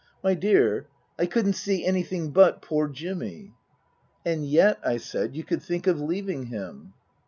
" My dear I couldn't see anything but poor Jimmy." " And yet," I said, " you could think of leaving him